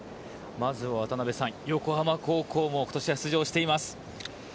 まずは渡辺さん横浜高校もことしは出場しています。